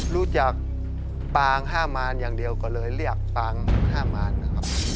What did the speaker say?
รู้จักปาง๕มารอย่างเดียวก็เลยเรียกปาง๕มารนะครับ